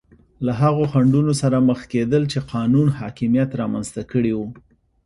له هغو خنډونو سره مخ کېدل چې قانون حاکمیت رامنځته کړي وو.